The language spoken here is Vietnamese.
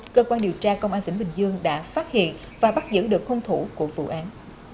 cơ quan điều tra công an tỉnh bình dương đã phát hiện và bắt giữ được hung thủ của vụ án